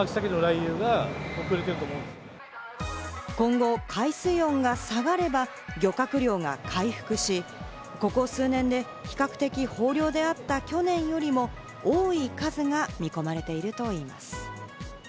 今後、海水温が下がれば漁獲量が回復し、ここ数年で比較的豊漁であった去年よりも、多い数が見込まれているといいます。